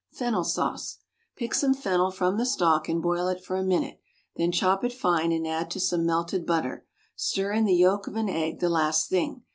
=Fennel Sauce.= Pick some fennel from the stalk and boil it for a minute, then chop it fine and add to some "melted butter." Stir in the yolk of an egg the last thing.